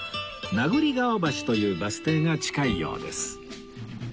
名栗川橋というバス停が近いようです